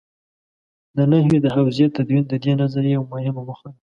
د نحوې د حوزې تدوین د دې نظریې یوه مهمه موخه ده.